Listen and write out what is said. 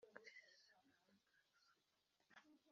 Kugena gahunda y ibikorwa by Umuryango